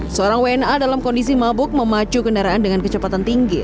seorang wna dalam kondisi mabuk memacu kendaraan dengan kecepatan tinggi